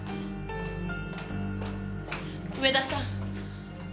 植田さん。